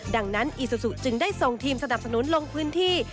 ดังนั้นอีซูซูจึงได้ส่งทีมสนับสนุนลงพื้นที่